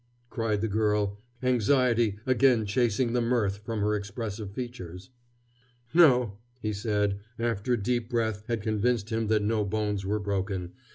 cried the girl, anxiety again chasing the mirth from her expressive features. "No," he said, after a deep breath had convinced him that no bones were broken.